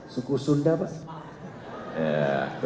suku sunda pak